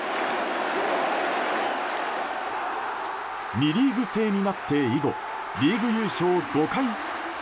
２リーグ制になって以後リーグ優勝５回。